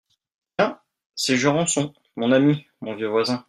Tiens ! c’est Jurançon, mon ami, mon vieux voisin…